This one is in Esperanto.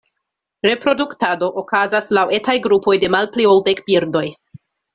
Reproduktado okazas laŭ etaj grupoj de malpli ol dek birdoj.